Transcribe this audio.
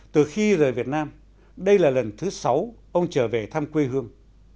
từ khi rời việt nam đây là lần thứ sáu ông trở về thăm quê hương